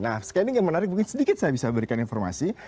nah scanning yang menarik mungkin sedikit saya bisa berikan informasi